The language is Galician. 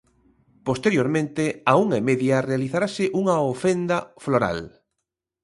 Posteriormente, á unha e media, realizarase unha ofenda floral.